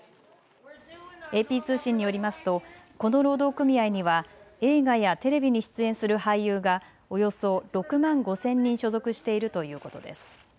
ＡＰ通信によりますとこの労働組合には映画やテレビに出演する俳優がおよそ６万５０００人所属しているということです。